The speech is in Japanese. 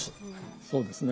そうですね。